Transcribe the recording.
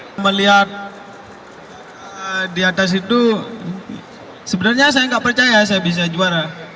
saya melihat di atas itu sebenarnya saya nggak percaya saya bisa juara